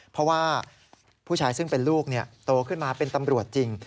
เพราะว่าผู้ชายซึ่งเป็นลูกโตขึ้นมาเป็นตำรวจจริง